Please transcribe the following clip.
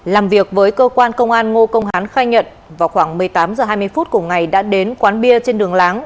làm việc với cơ quan công an ngô công hán khai nhận vào khoảng một mươi tám h hai mươi phút cùng ngày đã đến quán bia trên đường láng